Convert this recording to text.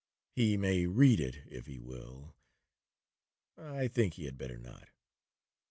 He may read it if he will;—I think he had better not.